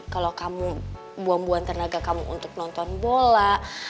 kalau kamu buang buang tenaga kamu untuk nonton bola